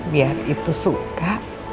biar itu suka